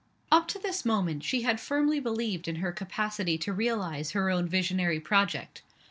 Up to this moment, she had firmly believed in her capacity to realize her own visionary project.